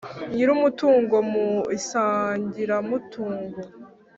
Nyir umutungo mu isangiramutungo